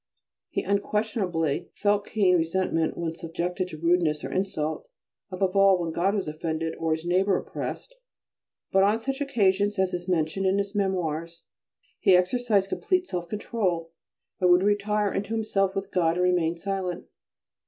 He unquestionably felt keen resentment when subjected to rudeness or insult, above all when God was offended, or his neighbour oppressed; but on such occasions, as is mentioned in his memoirs, he exercised complete self control and would retire into himself with God and remain silent.